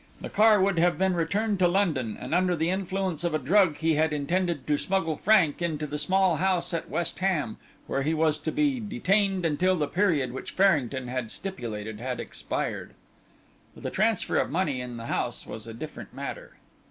The car would have returned to London, and under the influence of a drug he had intended to smuggle Frank into the small house at West Ham, where he was to be detained until the period which Farrington had stipulated had expired. But the transfer of money in the house was a different matter.